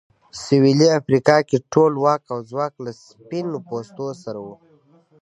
سوېلي افریقا کې ټول واک او ځواک له سپین پوستو سره و.